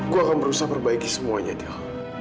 gue akan berusaha perbaiki semuanya deh